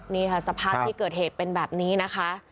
นี่ค่ะสภาพที่เกิดเหตุเป็นแบบนี้นะคะ